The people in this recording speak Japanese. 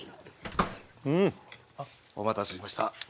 うん！お待たせしました。